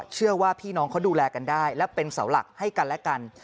เชื่อว่าพี่น้องเขาดูแลกันได้และเป็นเสาหลักให้กันและกัน